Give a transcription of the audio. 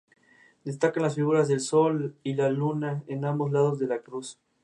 Están tallados los cuatro apóstoles y numerosos ángeles.